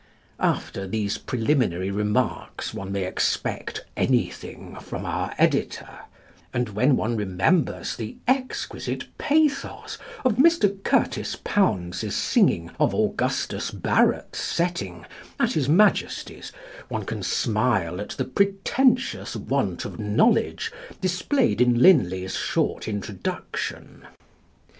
After these preliminary remarks, one may expect anything from our editor; and when one remembers the exquisite pathos of Mr Courtice Pounds' singing of +Augustus Barratt's+ setting at His Majesty's one can smile at the pretentious want of knowledge displayed in Linley's short introduction.